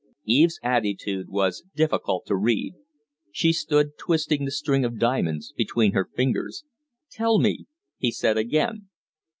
Eve's attitude was difficult to read. She stood twisting the string of diamonds between her fingers. "Tell me?" he said again.